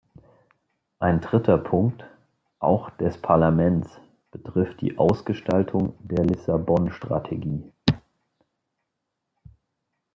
Ein dritter Punkt, auch des Parlaments, betrifft die Ausgestaltung der Lissabon-Strategie.